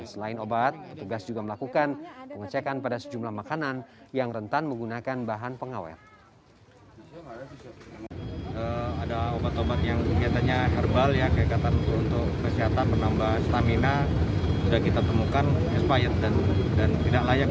selain obat petugas juga melakukan pengecekan pada sejumlah makanan yang rentan menggunakan bahan pengawet